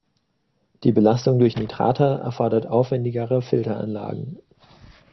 Die Belastung durch Nitrate erfordert aufwendigere Filteranlagen.